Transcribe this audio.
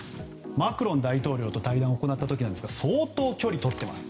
マクロン大統領と対談を行った時なんですが相当、距離を取っています。